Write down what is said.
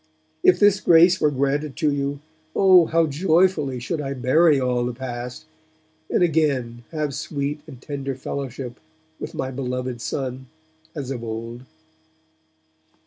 If this grace were granted to you, oh! how joyfully should I bury all the past, and again have sweet and tender fellowship with my beloved Son, as of old.'